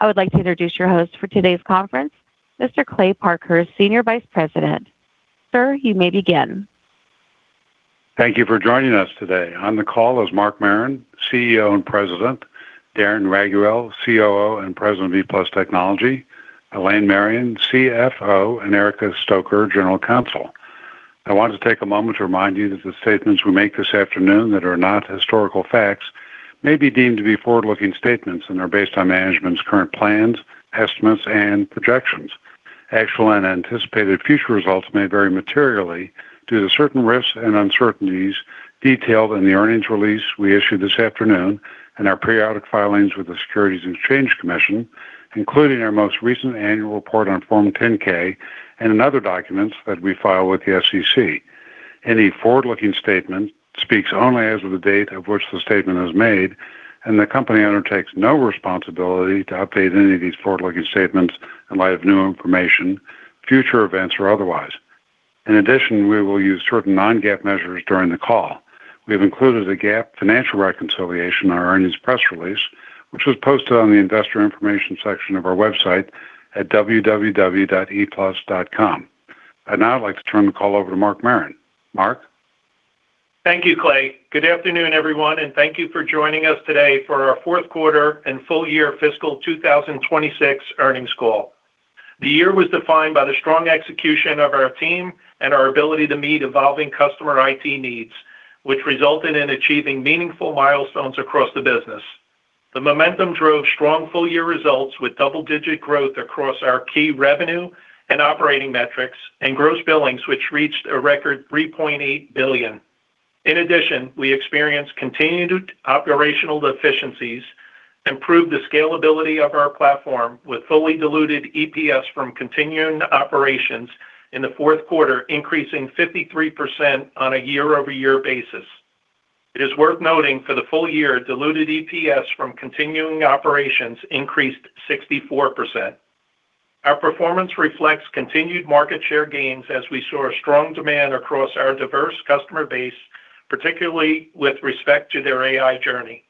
I would like to introduce your host for today's conference, Mr. Kleyton Parkhurst, Senior Vice President. Sir, you may begin. Thank you for joining us today. On the call is Mark Marron, CEO and President, Darren Raiguel, COO and President of ePlus Technology, Elaine Marion, CFO, and Erica Stoecker, General Counsel. I want to take a moment to remind you that the statements we make this afternoon that are not historical facts may be deemed to be forward-looking statements and are based on management's current plans, estimates, and projections. Actual and anticipated future results may vary materially due to certain risks and uncertainties detailed in the earnings release we issued this afternoon and our periodic filings with the Securities and Exchange Commission, including our most recent annual report on Form 10-K and in other documents that we file with the SEC. Any forward-looking statement speaks only as of the date of which the statement is made, and the company undertakes no responsibility to update any of these forward-looking statements in light of new information, future events, or otherwise. In addition, we will use certain non-GAAP measures during the call. We have included a GAAP financial reconciliation in our earnings press release, which was posted on the investor information section of our website at www.eplus.com. I'd now like to turn the call over to Mark Marron. Mark? Thank you, Kley. Good afternoon, everyone, and thank you for joining us today for our fourth quarter and full year fiscal 2026 earnings call. The year was defined by the strong execution of our team and our ability to meet evolving customer IT needs, which resulted in achieving meaningful milestones across the business. The momentum drove strong full year results with double-digit growth across our key revenue and operating metrics and gross billings, which reached a record $3.8 billion. In addition, we experienced continued operational efficiencies, improved the scalability of our platform with fully diluted EPS from continuing operations in the fourth quarter, increasing 53% on a year-over-year basis. It is worth noting for the full year, diluted EPS from continuing operations increased 64%. Our performance reflects continued market share gains as we saw strong demand across our diverse customer base, particularly with respect to their AI journey.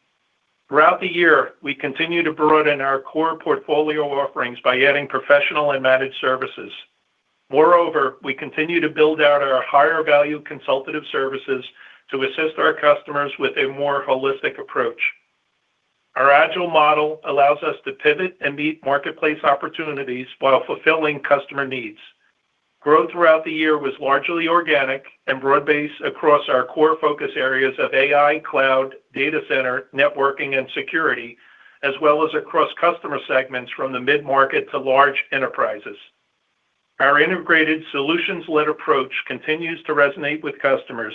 Throughout the year, we continued to broaden our core portfolio offerings by adding professional and managed services. Moreover, we continue to build out our higher-value consultative services to assist our customers with a more holistic approach. Our agile model allows us to pivot and meet marketplace opportunities while fulfilling customer needs. Growth throughout the year was largely organic and broad-based across our core focus areas of AI, cloud, data center, networking, and security, as well as across customer segments from the mid-market to large enterprises. Our integrated solutions-led approach continues to resonate with customers,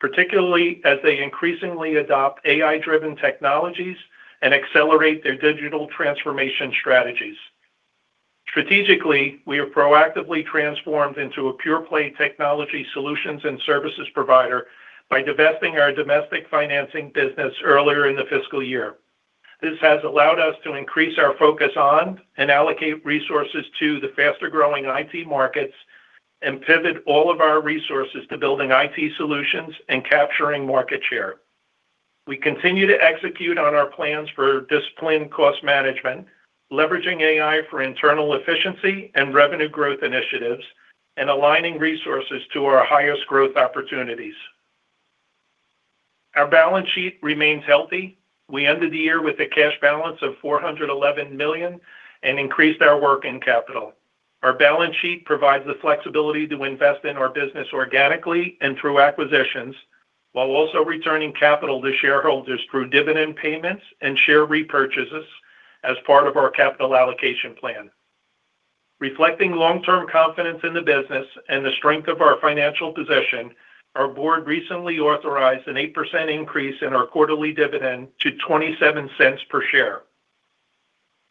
particularly as they increasingly adopt AI-driven technologies and accelerate their digital transformation strategies. Strategically, we have proactively transformed into a pure-play technology solutions and services provider by divesting our domestic financing business earlier in the fiscal year. This has allowed us to increase our focus on and allocate resources to the faster-growing IT markets and pivot all of our resources to building IT solutions and capturing market share. We continue to execute on our plans for disciplined cost management, leveraging AI for internal efficiency and revenue growth initiatives, and aligning resources to our highest growth opportunities. Our balance sheet remains healthy. We ended the year with a cash balance of $411 million and increased our working capital. Our balance sheet provides the flexibility to invest in our business organically and through acquisitions, while also returning capital to shareholders through dividend payments and share repurchases as part of our capital allocation plan. Reflecting long-term confidence in the business and the strength of our financial position, our board recently authorized an 8% increase in our quarterly dividend to $0.27 per share.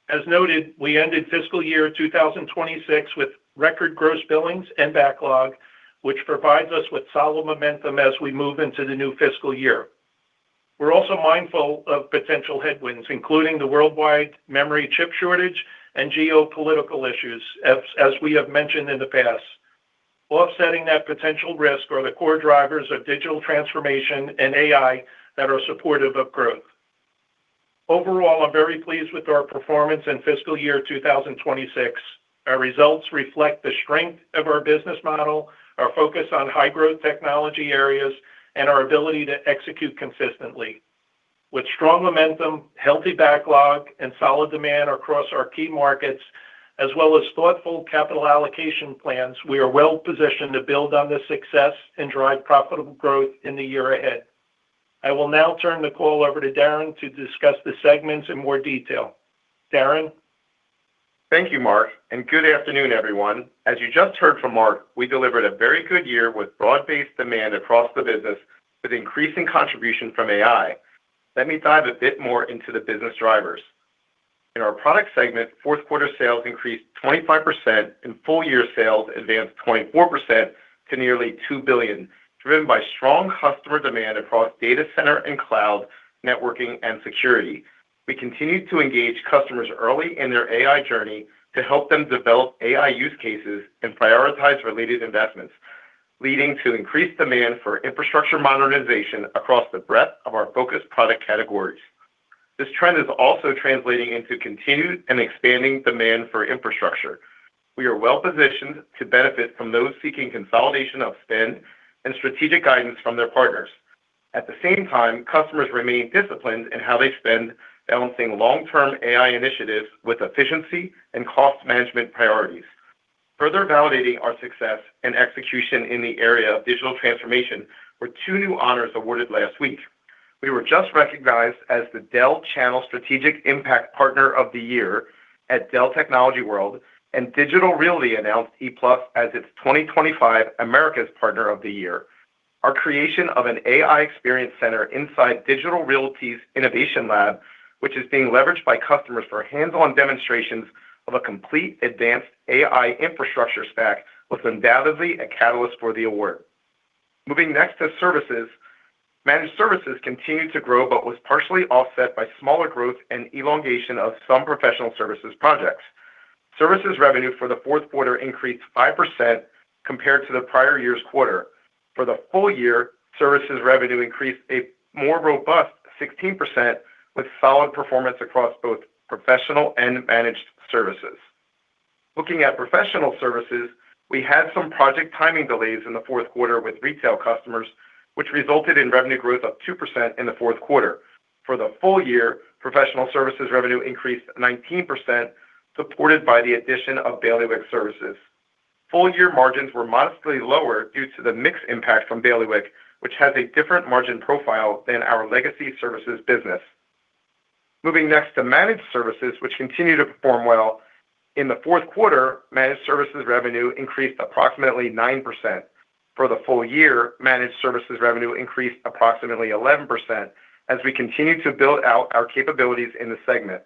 As noted, we ended fiscal year 2026 with record gross billings and backlog, which provides us with solid momentum as we move into the new fiscal year. We're also mindful of potential headwinds, including the worldwide memory chip shortage and geopolitical issues, as we have mentioned in the past. Offsetting that potential risk are the core drivers of digital transformation and AI that are supportive of growth. Overall, I'm very pleased with our performance in fiscal year 2026. Our results reflect the strength of our business model, our focus on high-growth technology areas, and our ability to execute consistently. With strong momentum, healthy backlog, and solid demand across our key markets, as well as thoughtful capital allocation plans, we are well positioned to build on this success and drive profitable growth in the year ahead. I will now turn the call over to Darren to discuss the segments in more detail. Darren? Thank you, Mark, and good afternoon, everyone. As you just heard from Mark, we delivered a very good year with broad-based demand across the business with increasing contribution from AI. Let me dive a bit more into the business drivers. In our product segment, fourth quarter sales increased 25%, and full-year sales advanced 24% to nearly $2 billion, driven by strong customer demand across data center and cloud, networking, and security. We continued to engage customers early in their AI journey to help them develop AI use cases and prioritize related investments. Leading to increased demand for infrastructure modernization across the breadth of our focused product categories. This trend is also translating into continued and expanding demand for infrastructure. We are well-positioned to benefit from those seeking consolidation of spend and strategic guidance from their partners. At the same time, customers remain disciplined in how they spend, balancing long-term AI initiatives with efficiency and cost management priorities. Further validating our success and execution in the area of digital transformation were two new honors awarded last week. We were just recognized as the Dell Channel Strategic Impact Partner of the Year at Dell Technologies World, and Digital Realty announced ePlus as its 2025 Americas Partner of the Year. Our creation of an AI Experience Center inside Digital Realty's Innovation Lab, which is being leveraged by customers for hands-on demonstrations of a complete advanced AI infrastructure stack, was undoubtedly a catalyst for the award. Moving next to services. Managed services continued to grow, but was partially offset by smaller growth and elongation of some professional services projects. Services revenue for the fourth quarter increased 5% compared to the prior year's quarter. For the full year, services revenue increased a more robust 16%, with solid performance across both professional and managed services. Looking at professional services, we had some project timing delays in the fourth quarter with retail customers, which resulted in revenue growth of 2% in the fourth quarter. For the full year, professional services revenue increased 19%, supported by the addition of Bailiwick Services. Full-year margins were modestly lower due to the mix impact from Bailiwick, which has a different margin profile than our legacy services business. Moving next to managed services, which continue to perform well. In the fourth quarter, managed services revenue increased approximately 9%. For the full year, managed services revenue increased approximately 11%, as we continue to build out our capabilities in the segment.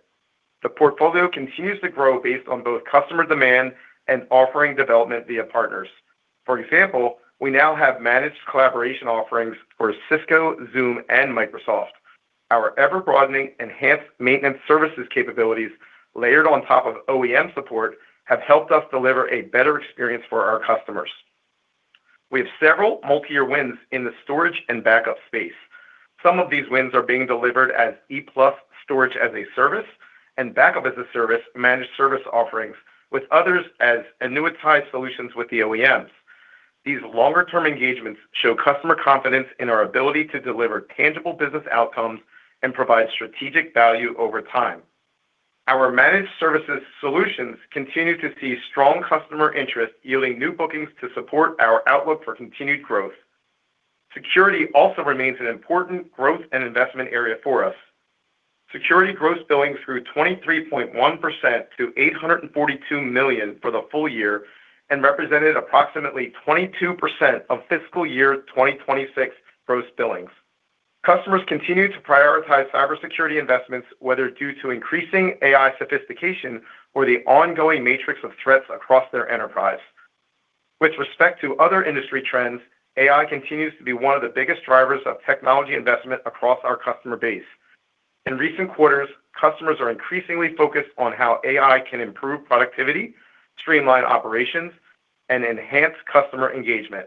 The portfolio continues to grow based on both customer demand and offering development via partners. For example, we now have managed collaboration offerings for Cisco, Zoom, and Microsoft. Our ever-broadening enhanced maintenance services capabilities, layered on top of OEM support, have helped us deliver a better experience for our customers. We have several multiyear wins in the storage and backup space. Some of these wins are being delivered as ePlus Storage as a Service and Backup as a Service managed service offerings, with others as annuitized solutions with the OEMs. These longer-term engagements show customer confidence in our ability to deliver tangible business outcomes and provide strategic value over time. Our managed services solutions continue to see strong customer interest, yielding new bookings to support our outlook for continued growth. Security also remains an important growth and investment area for us. Security gross billings grew 23.1% to $842 million for the full year and represented approximately 22% of fiscal year 2026 gross billings. Customers continue to prioritize cybersecurity investments, whether due to increasing AI sophistication or the ongoing matrix of threats across their enterprise. With respect to other industry trends, AI continues to be one of the biggest drivers of technology investment across our customer base. In recent quarters, customers are increasingly focused on how AI can improve productivity, streamline operations, and enhance customer engagement.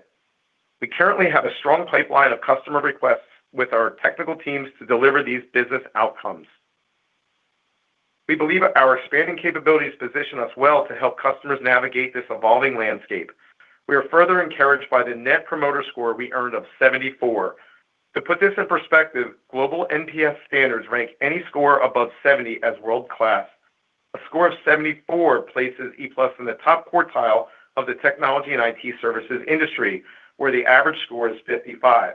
We currently have a strong pipeline of customer requests with our technical teams to deliver these business outcomes. We believe our expanding capabilities position us well to help customers navigate this evolving landscape. We are further encouraged by the Net Promoter Score we earned of 74. To put this in perspective, global NPS standards rank any score above 70 as world-class. A score of 74 places ePlus in the top quartile of the technology and IT services industry, where the average score is 55.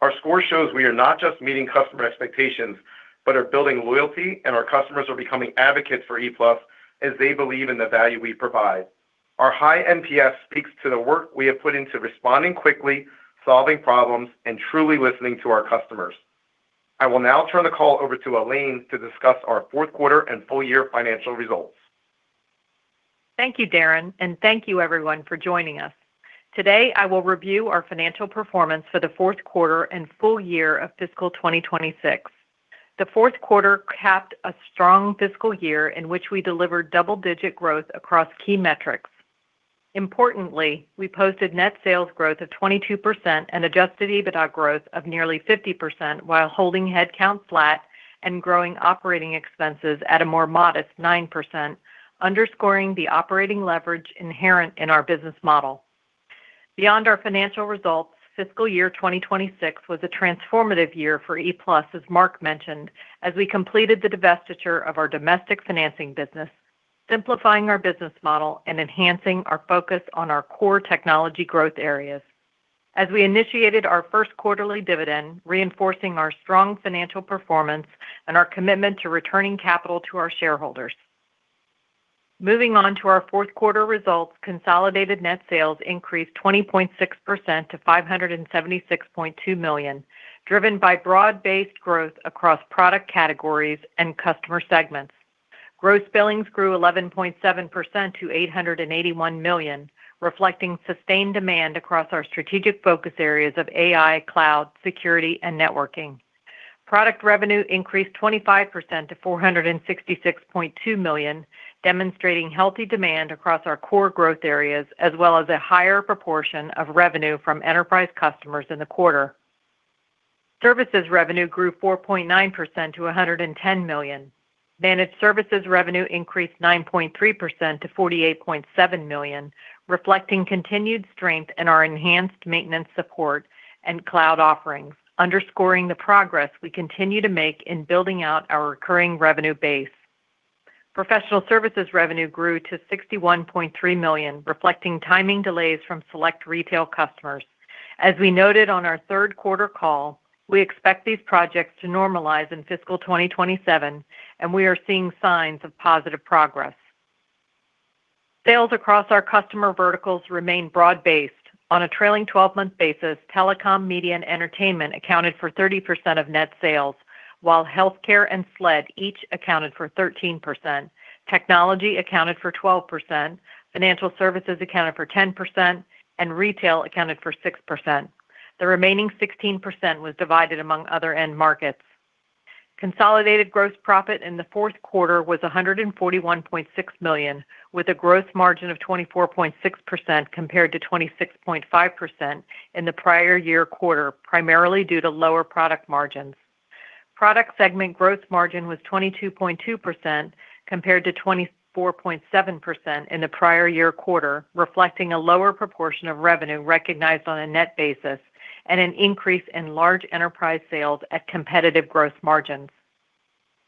Our score shows we are not just meeting customer expectations, but are building loyalty, and our customers are becoming advocates for ePlus as they believe in the value we provide. Our high NPS speaks to the work we have put into responding quickly, solving problems, and truly listening to our customers. I will now turn the call over to Elaine to discuss our fourth quarter and full year financial results. Thank you, Darren, and thank you, everyone, for joining us. Today, I will review our financial performance for the fourth quarter and full year of fiscal 2026. The fourth quarter capped a strong fiscal year in which we delivered double-digit growth across key metrics. Importantly, we posted net sales growth of 22% and adjusted EBITDA growth of nearly 50%, while holding headcount flat and growing operating expenses at a more modest 9%, underscoring the operating leverage inherent in our business model. Beyond our financial results, fiscal year 2026 was a transformative year for ePlus, as Mark mentioned, as we completed the divestiture of our domestic financing business, simplifying our business model and enhancing our focus on our core technology growth areas. We initiated our first quarterly dividend, reinforcing our strong financial performance and our commitment to returning capital to our shareholders. Moving on to our fourth quarter results, consolidated net sales increased 20.6% to $576.2 million, driven by broad-based growth across product categories and customer segments. Gross billings grew 11.7% to $881 million, reflecting sustained demand across our strategic focus areas of AI, cloud, security, and networking. Product revenue increased 25% to $466.2 million, demonstrating healthy demand across our core growth areas, as well as a higher proportion of revenue from enterprise customers in the quarter. Services revenue grew 4.9% to $110 million. Managed services revenue increased 9.3% to $48.7 million, reflecting continued strength in our enhanced maintenance support and cloud offerings, underscoring the progress we continue to make in building out our recurring revenue base. Professional services revenue grew to $61.3 million, reflecting timing delays from select retail customers. As we noted on our third quarter call, we expect these projects to normalize in fiscal 2027, and we are seeing signs of positive progress. Sales across our customer verticals remain broad-based. On a trailing 12-month basis, telecom, media, and entertainment accounted for 30% of net sales, while healthcare and SLED each accounted for 13%. Technology accounted for 12%, financial services accounted for 10%, and retail accounted for 6%. The remaining 16% was divided among other end markets. Consolidated gross profit in the fourth quarter was $141.6 million, with a gross margin of 24.6% compared to 26.5% in the prior year quarter, primarily due to lower product margins. Product segment gross margin was 22.2% compared to 24.7% in the prior year quarter, reflecting a lower proportion of revenue recognized on a net basis and an increase in large enterprise sales at competitive gross margins.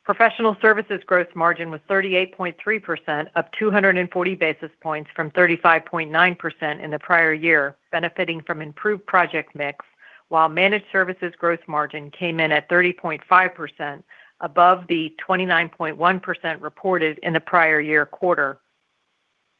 Professional services gross margin was 38.3% up 240 basis points from 35.9% in the prior year, benefiting from improved project mix, while managed services gross margin came in at 30.5%, above the 29.1% reported in the prior year quarter.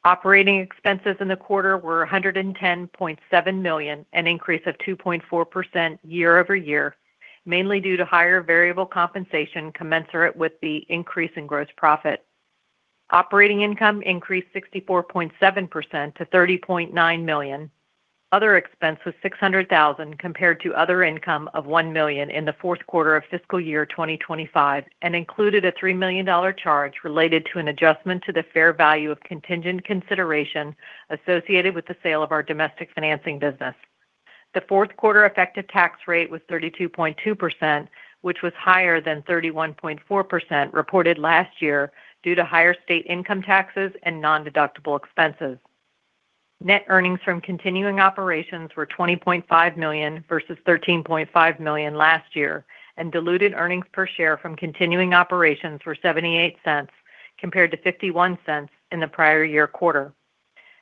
Operating expenses in the quarter were $110.7 million, an increase of 2.4% year-over-year, mainly due to higher variable compensation commensurate with the increase in gross profit. Operating income increased 64.7% to $30.9 million. Other expense was $600,000 compared to other income of $1 million in the fourth quarter of fiscal year 2025 and included a $3 million charge related to an adjustment to the fair value of contingent consideration associated with the sale of our domestic financing business. The fourth quarter effective tax rate was 32.2%, which was higher than 31.4% reported last year due to higher state income taxes and non-deductible expenses. Net earnings from continuing operations were $20.5 million versus $13.5 million last year, and diluted earnings per share from continuing operations were $0.78 compared to $0.51 in the prior year quarter.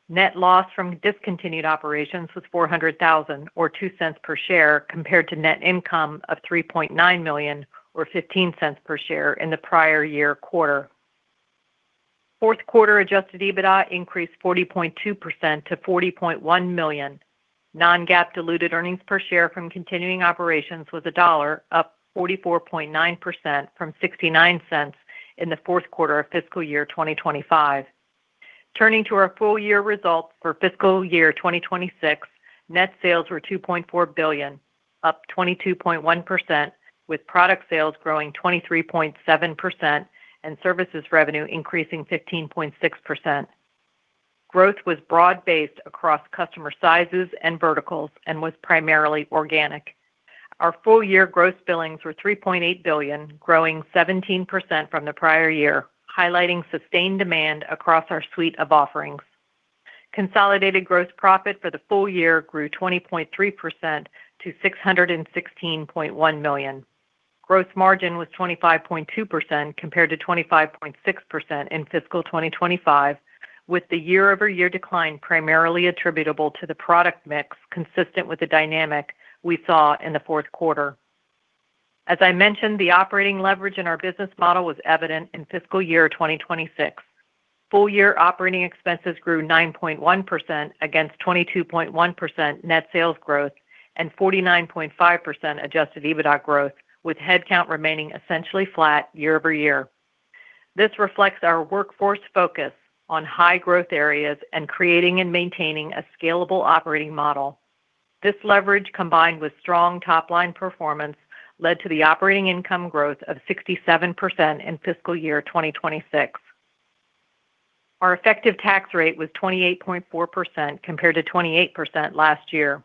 Net loss from discontinued operations was $400,000 or $0.02 per share compared to net income of $3.9 million or $0.15 per share in the prior year quarter. Fourth quarter adjusted EBITDA increased 40.2% to $40.1 million. Non-GAAP diluted earnings per share from continuing operations was a dollar up 44.9% from $0.69 in the fourth quarter of fiscal year 2025. Turning to our full year results for fiscal year 2026, net sales were $2.4 billion, up 22.1%, with product sales growing 23.7% and services revenue increasing 15.6%. Growth was broad-based across customer sizes and verticals and was primarily organic. Our full-year gross billings were $3.8 billion, growing 17% from the prior year, highlighting sustained demand across our suite of offerings. Consolidated gross profit for the full year grew 20.3% to $616.1 million. Gross margin was 25.2% compared to 25.6% in fiscal 2025, with the year-over-year decline primarily attributable to the product mix consistent with the dynamic we saw in the fourth quarter. As I mentioned, the operating leverage in our business model was evident in fiscal year 2026. Full-year operating expenses grew 9.1% against 22.1% net sales growth and 49.5% adjusted EBITDA growth, with headcount remaining essentially flat year-over-year. This reflects our workforce focus on high-growth areas and creating and maintaining a scalable operating model. This leverage, combined with strong top-line performance, led to the operating income growth of 67% in fiscal year 2026. Our effective tax rate was 28.4% compared to 28% last year.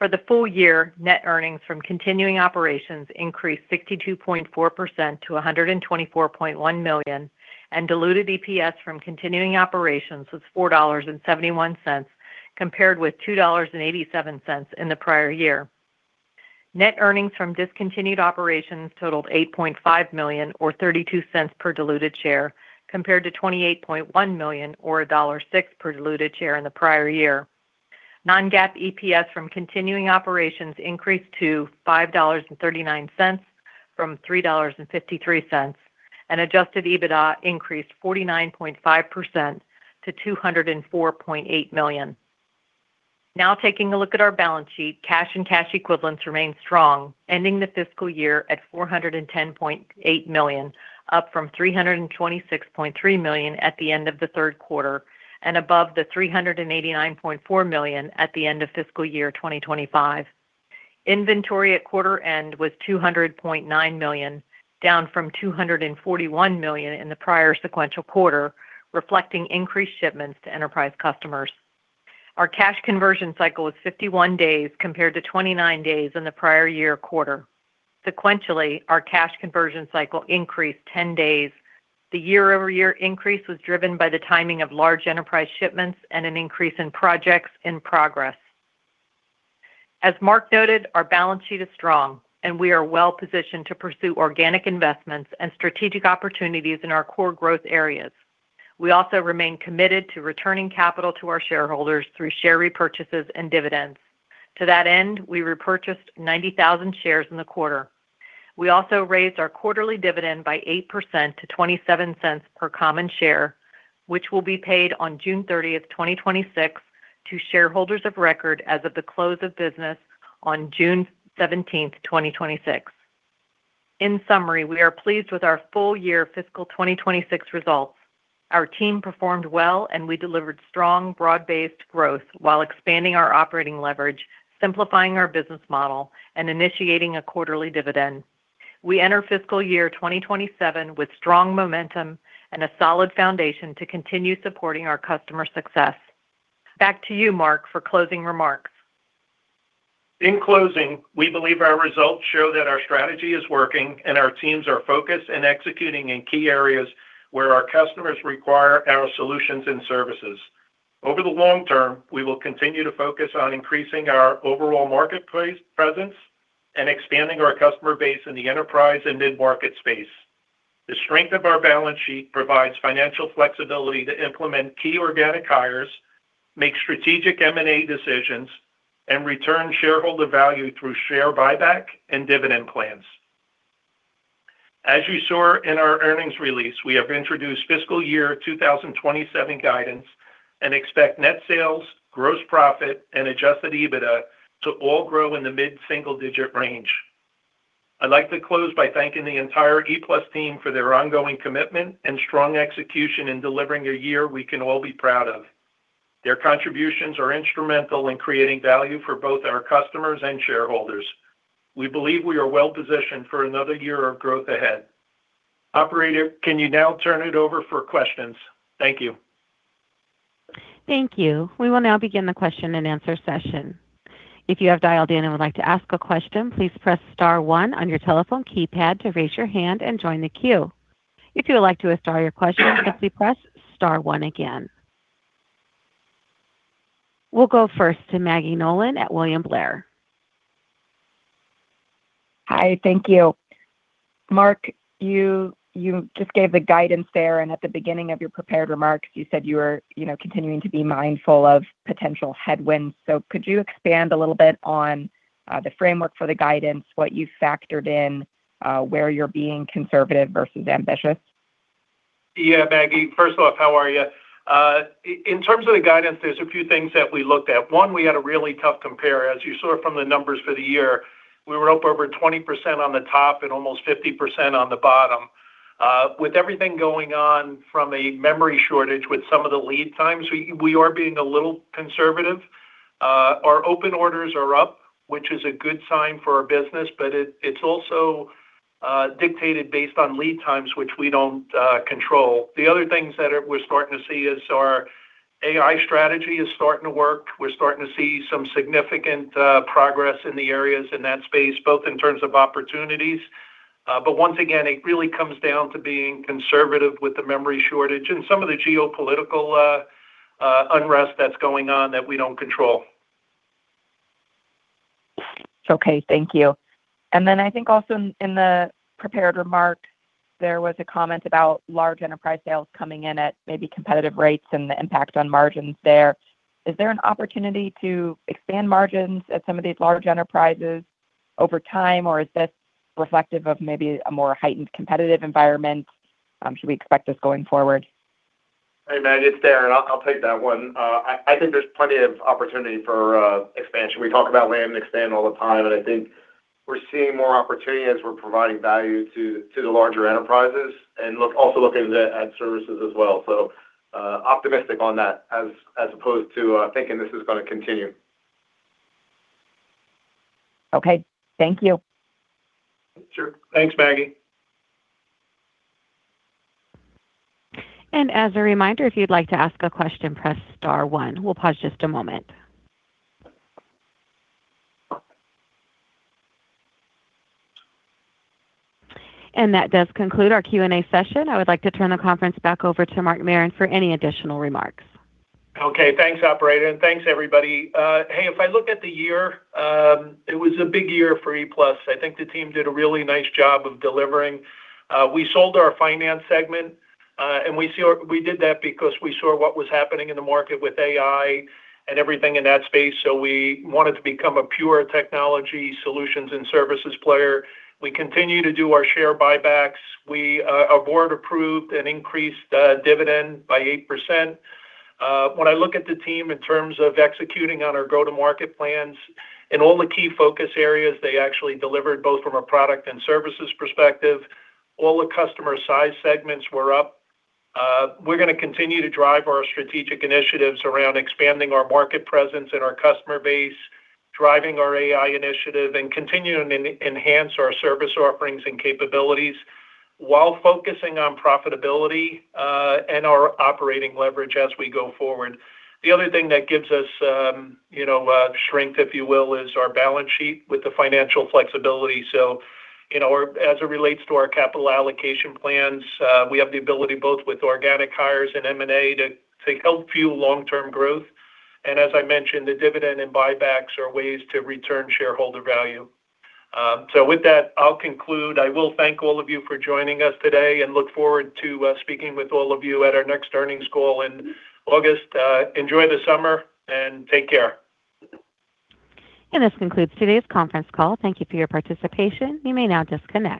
For the full year, net earnings from continuing operations increased 62.4% to $124.1 million, and diluted EPS from continuing operations was $4.71, compared with $2.87 in the prior year. Net earnings from discontinued operations totaled $8.5 million or $0.32 per diluted share, compared to $28.1 million or $1.06 per diluted share in the prior year. Non-GAAP EPS from continuing operations increased to $5.39 from $3.53, and adjusted EBITDA increased 49.5% to $204.8 million. Taking a look at our balance sheet, cash and cash equivalents remain strong, ending the fiscal year at $410.8 million, up from $326.3 million at the end of the third quarter and above the $389.4 million at the end of fiscal year 2025. Inventory at quarter end was $200.9 million, down from $241 million in the prior sequential quarter, reflecting increased shipments to enterprise customers. Our cash conversion cycle was 51 days compared to 29 days in the prior year quarter. Sequentially, our cash conversion cycle increased 10 days. The year-over-year increase was driven by the timing of large enterprise shipments and an increase in projects in progress. As Mark noted, our balance sheet is strong, and we are well-positioned to pursue organic investments and strategic opportunities in our core growth areas. We also remain committed to returning capital to our shareholders through share repurchases and dividends. To that end, we repurchased 90,000 shares in the quarter. We also raised our quarterly dividend by 8% to $0.27 per common share, which will be paid on June 30th, 2026, to shareholders of record as of the close of business on June 17th, 2026. In summary, we are pleased with our full year fiscal 2026 results. Our team performed well. We delivered strong, broad-based growth while expanding our operating leverage, simplifying our business model, and initiating a quarterly dividend. We enter fiscal year 2027 with strong momentum and a solid foundation to continue supporting our customer success. Back to you, Mark, for closing remarks. In closing, we believe our results show that our strategy is working, and our teams are focused and executing in key areas where our customers require our solutions and services. Over the long term, we will continue to focus on increasing our overall marketplace presence and expanding our customer base in the enterprise and mid-market space. The strength of our balance sheet provides financial flexibility to implement key organic hires, make strategic M&A decisions, and return shareholder value through share buyback and dividend plans. As you saw in our earnings release, we have introduced fiscal year 2027 guidance and expect net sales, gross profit, and adjusted EBITDA to all grow in the mid-single digit range. I'd like to close by thanking the entire ePlus team for their ongoing commitment and strong execution in delivering a year we can all be proud of. Their contributions are instrumental in creating value for both our customers and shareholders. We believe we are well-positioned for another year of growth ahead. Operator, can you now turn it over for questions? Thank you. Thank you. We will now begin the question-and-answer session. If you have dialed in and would like to ask a question, please press star one on your telephone keypad to raise your hand and join the queue. If you would like to withdraw your question, simply press star one again. We will go first to Maggie Nolan at William Blair. Hi, thank you. Mark, you just gave the guidance there, and at the beginning of your prepared remarks, you said you were continuing to be mindful of potential headwinds. Could you expand a little bit on the framework for the guidance, what you factored in, where you're being conservative versus ambitious? Yeah, Maggie. First off, how are you? In terms of the guidance, there's a few things that we looked at. One, we had a really tough compare. As you saw from the numbers for the year, we were up over 20% on the top and almost 50% on the bottom. With everything going on from a memory shortage with some of the lead times, we are being a little conservative. Our open orders are up, which is a good sign for our business, but it's also dictated based on lead times, which we don't control. The other things that we're starting to see is our AI strategy is starting to work. We're starting to see some significant progress in the areas in that space, both in terms of opportunities. Once again, it really comes down to being conservative with the memory shortage and some of the geopolitical unrest that's going on that we don't control. Okay, thank you. I think also in the prepared remarks, there was a comment about large enterprise sales coming in at maybe competitive rates and the impact on margins there. Is there an opportunity to expand margins at some of these large enterprises over time, or is this reflective of maybe a more heightened competitive environment? Should we expect this going forward? Hey, Maggie, it's Darren. I'll take that one. I think there's plenty of opportunity for expansion. We talk about land and expand all the time, and I think we're seeing more opportunity as we're providing value to the larger enterprises and also looking at services as well. Optimistic on that as opposed to thinking this is going to continue. Okay. Thank you. Sure. Thanks, Maggie. As a reminder, if you'd like to ask a question, press star one. We'll pause just a moment. That does conclude our Q&A session. I would like to turn the conference back over to Mark Marron for any additional remarks. Okay, thanks, operator. Thanks, everybody. Hey, if I look at the year, it was a big year for ePlus. I think the team did a really nice job of delivering. We sold our finance segment, and we did that because we saw what was happening in the market with AI and everything in that space, so we wanted to become a pure technology solutions and services player. We continue to do our share buybacks. Our board approved an increased dividend by 8%. When I look at the team in terms of executing on our go-to-market plans, in all the key focus areas, they actually delivered both from a product and services perspective. All the customer size segments were up. We're going to continue to drive our strategic initiatives around expanding our market presence and our customer base, driving our AI initiative, and continuing to enhance our service offerings and capabilities while focusing on profitability and our operating leverage as we go forward. The other thing that gives us strength, if you will, is our balance sheet with the financial flexibility. As it relates to our capital allocation plans, we have the ability both with organic hires and M&A to help fuel long-term growth. As I mentioned, the dividend and buybacks are ways to return shareholder value. With that, I'll conclude. I will thank all of you for joining us today and look forward to speaking with all of you at our next earnings call in August. Enjoy the summer, and take care. This concludes today's conference call. Thank you for your participation. You may now disconnect.